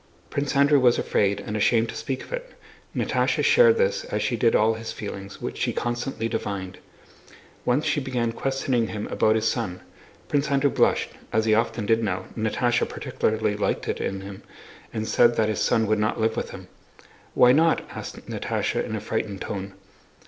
Prince Andrew was afraid and ashamed to speak of it. Natásha shared this as she did all his feelings, which she constantly divined. Once she began questioning him about his son. Prince Andrew blushed, as he often did now—Natásha particularly liked it in him—and said that his son would not live with them. "Why not?" asked Natásha in a frightened tone.